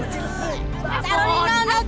taruh lino taruh taruh